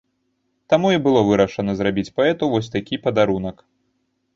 Таму і было вырашана зрабіць паэту вось такі падарунак.